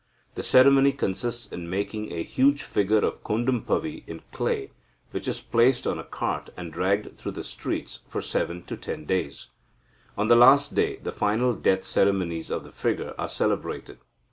The ceremony consists in making a huge figure of Kodumpavi in clay, which is placed on a cart, and dragged through the streets for seven to ten days. On the last day, the final death ceremonies of the figure are celebrated.